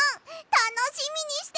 たのしみにしててね！